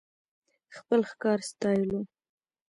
خپل ښکار ستايلو .